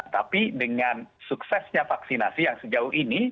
tapi dengan suksesnya vaksinasi yang sejauh ini